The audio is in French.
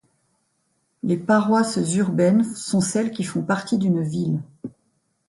Les paroisses urbaines sont celles qui font partie d’une ville.